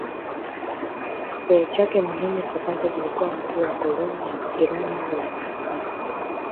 Cheo chake muhimu cha kwanza kilikuwa mkuu wa koloni la Kiroma la Hispania.